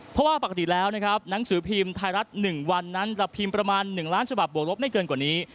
เพราะว่าปกติแล้วนะครับหนังสือพิมพ์ไทยรัฐ๑วันนั้นจะพิมพ์ประมาณ๑ล้านฉบับบวกลบไม่เกินกว่านี้